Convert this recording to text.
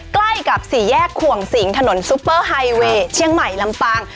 ใกล้กับสี่แยกขวงสิงถนนซุปเปอร์ไฮเวย์เชียงใหม่ลำปาง